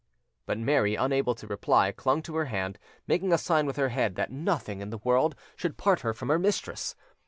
But Mary, unable to reply, clung to her hand, making a sign with her head that nothing in the world should part her from her mistress.